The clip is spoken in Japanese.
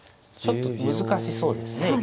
ちょっと難しそうですね。